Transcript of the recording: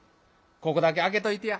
ここだけ開けといてや」。